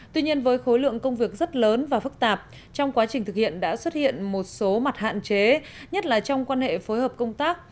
tuy nhiên với khối lượng công việc rất lớn và phức tạp trong quá trình thực hiện đã xuất hiện một số mặt hạn chế nhất là trong quan hệ phối hợp công tác